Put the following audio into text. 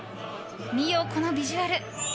見よ、このビジュアル。